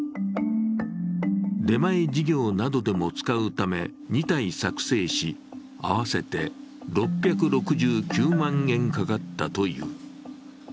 出前授業などでも使うため、２体作製し、合わせて６６９万円かかったという。